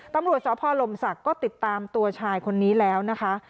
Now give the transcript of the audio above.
ตำรวจสพลมศักดิ์ก็ติดตามตัวชายคนนี้แล้วนะคะ